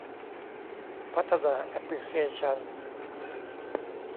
พัฒนาแอปพลิเคชัน